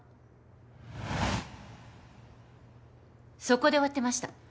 そこで終わってました。